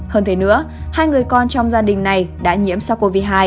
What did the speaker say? hơn thế nữa hai người con trong gia đình này đã nhiễm sars cov hai